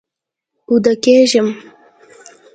اوده کیږم